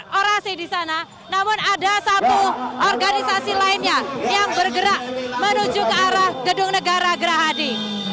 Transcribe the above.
ada orasi di sana namun ada satu organisasi lainnya yang bergerak menuju ke arah gedung negara gerahadi